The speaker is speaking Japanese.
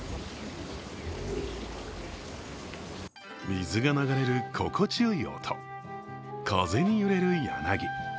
水が流れる心地よい音、風に揺れる柳。